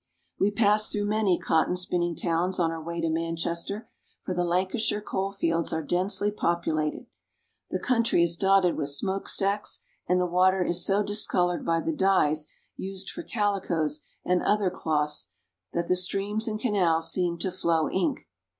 We pass through many cotton spinning towns on our way to Manchester, for the Lancashire coal fields are densely populated. The country is dotted with smoke stacks, and the water is so discolored by the dyes used for calicoes and other cloths that the streams and canals seem to flow ink.